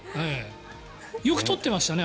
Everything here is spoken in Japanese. よく撮ってましたね。